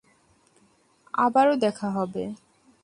আবারো দেখা হবে।